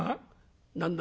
「何だ？